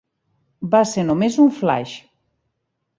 Va ser només un flaix.